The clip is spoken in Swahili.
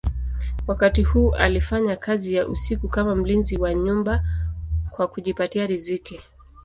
Wakati huu alifanya kazi ya usiku kama mlinzi wa nyumba kwa kujipatia riziki.